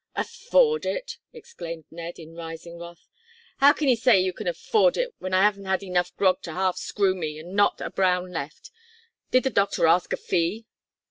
"Afford it!" exclaimed Ned, in rising wrath, "how can 'ee say you can afford it w'en I 'aven't had enough grog to half screw me, an' not a brown left. Did the doctor ask a fee?"